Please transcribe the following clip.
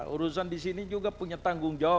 urusan disini juga punya tanggung jawab